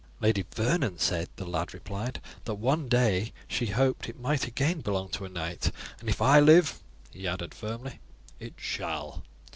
"Lady Vernon said," the lad replied, "that she hoped one day it might again belong to a knight; and if I live," he added firmly, "it shall."